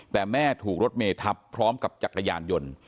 แต่แม่ถูกรถเมทับพร้อมกับจักรยานยนต์